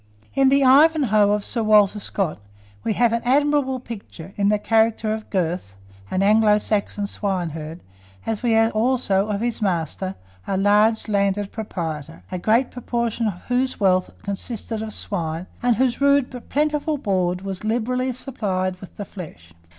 In the "Ivanhoe" of Sir Walter Scott, we have an admirable picture, in the character of Gurth, an Anglo Saxon swineherd, as we also have of his master, a large landed proprietor, a great portion of whose wealth consisted of swine, and whose rude but plentiful board was liberally supplied with the flesh.